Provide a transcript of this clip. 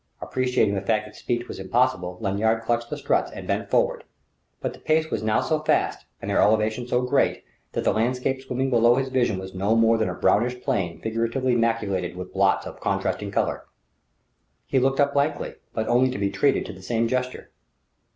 Appreciating the fact that speech was impossible, Lanyard clutched the struts and bent forward. But the pace was now so fast and their elevation so great that the landscape swimming beneath his vision was no more than a brownish plain fugitively maculated with blots of contrasting colour. He looked up blankly, but only to be treated to the same gesture.